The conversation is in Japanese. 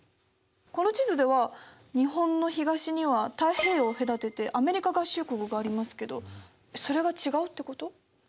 この地図では日本の東には太平洋を隔ててアメリカ合衆国がありますけどそれが違うってこと？